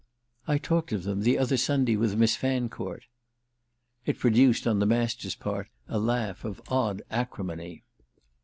"I talked of them the other Sunday with Miss Fancourt." It produced on the Master's part a laugh of odd acrimony.